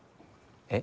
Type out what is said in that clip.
えっ？